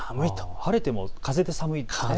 晴れても風が寒いですね。